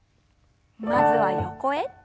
まずは横へ。